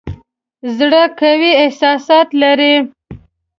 زړه قوي احساسات لري.